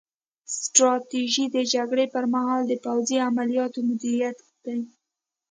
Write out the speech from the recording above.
ستراتیژي د جګړې پر مهال د پوځي عملیاتو مدیریت دی